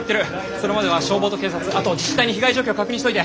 それまでは消防と警察あと自治体に被害状況確認しといて。